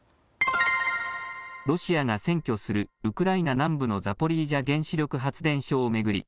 ロシアが占拠するウクライナ南部のザポリージャ原子力発電所を巡り